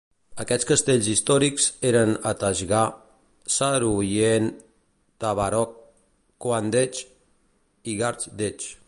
Aquests castells històrics eren "Atashgah", "Sarooyieh", "Tabarok", "Kohan Dej" i "Gard Dej".